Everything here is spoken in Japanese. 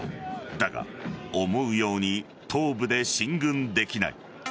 だが、思うように東部で進軍できない。